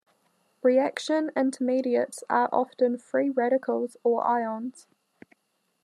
Reaction intermediates are often free radicals or ions.